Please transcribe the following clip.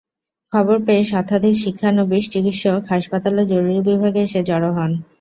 খবর পেয়ে শতাধিক শিক্ষানবিশ চিকিৎসক হাসপাতালের জরুরি বিভাগে এসে জড়ো হন।